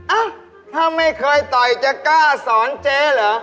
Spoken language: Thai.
อ๊ะถ้าไม่เคยไต่เจ๊กล้าสอนเจ๊หรือ